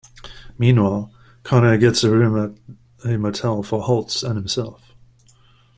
Meanwhile, Connor gets a room at a motel for Holtz and himself.